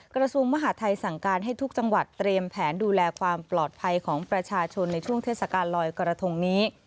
กระทรวงมหาทัยสั่งการให้ทุกจังหวัดเตรียมแผนดูแลความปลอดภัยของประชาชนในช่วงเทศกาลลอยกระทงนี้